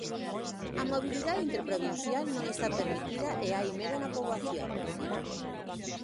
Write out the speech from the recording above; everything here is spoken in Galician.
"A mobilidade interprovincial non está permitida e hai medo na poboación", di.